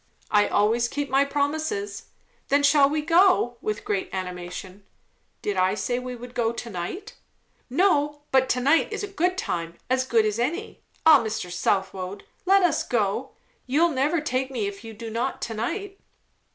"I always keep my promises." "Then shall we go?" with great animation. "Did I say I would go to night?" "No; but to night is a good time; as good as any. Ah, Mr. Southwode! let us go. You'll never take me, if you do not to night."